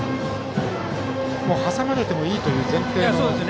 挟まれてもいいという前提の。